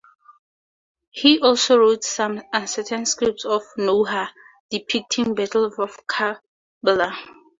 He also wrote some uncertain scripts of noha depicting battle of Karbala.